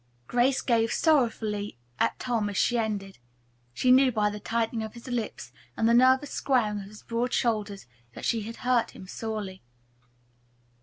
Grace gazed sorrowfully at Tom as she ended. She knew by the tightening of his lips and the nervous squaring of his broad shoulders that she had hurt him sorely.